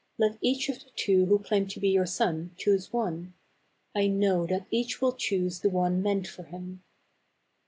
Let each of the two who claim to be your son choose one. I know that each will choose the one meant for him."